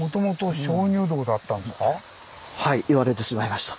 言われてしまいました。